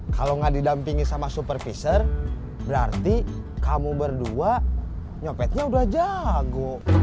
kalau tidak didampingi sama supervisor berarti kamu berdua nyobetnya sudah jago